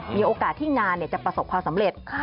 มีโอกาสที่งานจะประสบความสำเร็จ